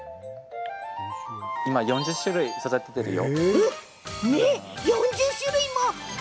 今、４０種類育てているよ。